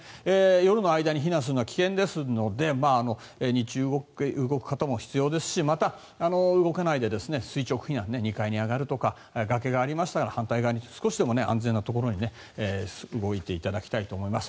夜の間に避難するのは危険ですので日中、動く方も必要ですしまた、動かないで垂直避難２階に上がるとか崖がありましたら反対側に少しでも安全なところに動いていただきたいと思います。